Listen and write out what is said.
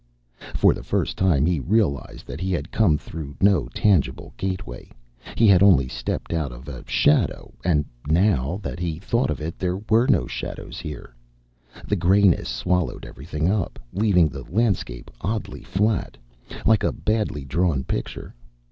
For the first time he realized that he had come through no tangible gateway. He had only stepped out of a shadow, and now that he thought of it there were no shadows here. The grayness swallowed everything up, leaving the landscape oddly flat, like a badly drawn picture.